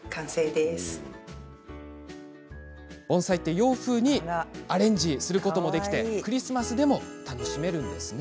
盆栽って洋風にアレンジすることでクリスマスにも楽しめるんですね。